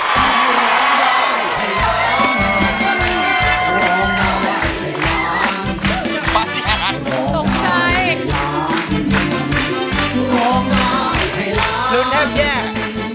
มานี้ค่ะนะสงสัยหลงได้ให้ล้าง